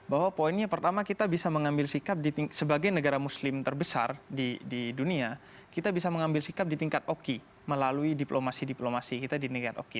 bahwa poinnya pertama kita bisa mengambil sikap sebagai negara muslim terbesar di dunia kita bisa mengambil sikap di tingkat oki melalui diplomasi diplomasi kita di negara oki